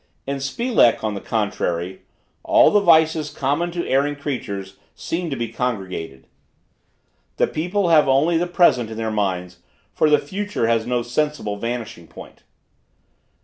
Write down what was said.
In Spelek, on the contrary, all the vices common to erring creatures seem to be congregated. The people have only the present in their minds, for the future has no sensible vanishing point.